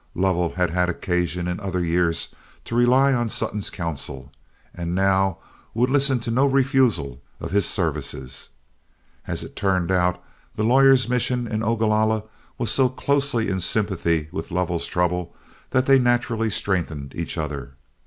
Lovell had had occasion in other years to rely on Sutton's counsel, and now would listen to no refusal of his services. As it turned out, the lawyer's mission in Ogalalla was so closely in sympathy with Lovell's trouble that they naturally strengthened each other.